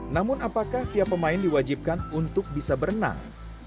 namun apakah tiap pemain diwajibkan untuk bisa berenang